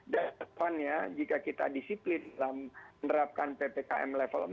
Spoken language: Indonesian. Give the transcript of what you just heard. dan depannya jika kita disiplin dalam menerapkan ppkm level empat